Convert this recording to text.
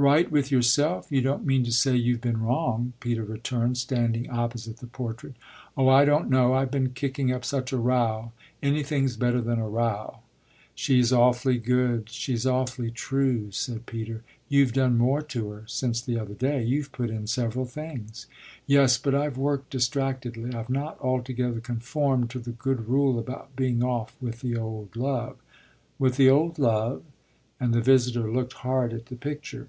"Right with yourself? You don't mean to say you've been wrong!" Peter returned, standing opposite the portrait. "Oh I don't know. I've been kicking up such a row. Anything's better than a row." "She's awfully good she's awfully true," said Peter. "You've done more to her since the other day. You've put in several things." "Yes, but I've worked distractedly. I've not altogether conformed to the good rule about being off with the old love." "With the old love?" and the visitor looked hard at the picture.